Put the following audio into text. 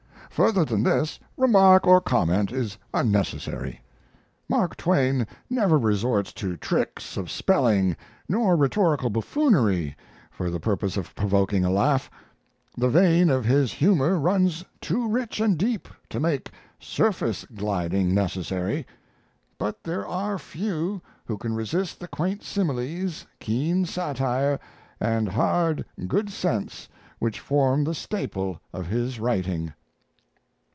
Further than this, remark or comment is unnecessary. Mark Twain never resorts to tricks of spelling nor rhetorical buffoonery for the purpose of provoking a laugh; the vein of his humor runs too rich and deep to make surface gliding necessary. But there are few who can resist the quaint similes, keen satire, and hard, good sense which form the staple of his writing.